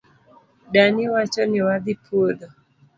Dani wacho ni wadhi puodho.